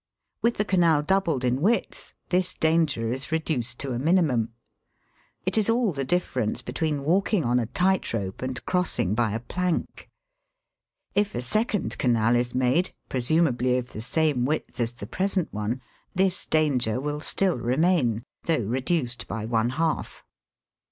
With the Canal doubled in width this danger is reduced to a minimum. It is all the difference between walking on a tight rope and crossing by a plank. If a second canal is made, presumably of the same width as the present one, this danger will still remain > though reduced by one half.